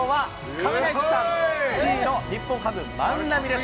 亀梨さん、Ｃの日本ハム、万波です。